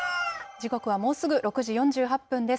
時刻はもうすぐ６時４８分です。